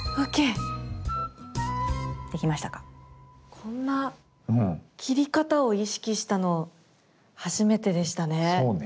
こんな切り方を意識したの初めてでしたね。